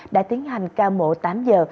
đã tiến hành ca mộ tám giờ